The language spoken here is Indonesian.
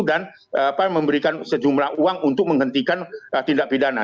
dan memberikan sejumlah uang untuk menghentikan tindak pidana